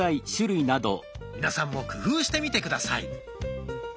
皆さんも工夫してみて下さい。